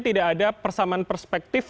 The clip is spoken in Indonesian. tidak ada persamaan perspektif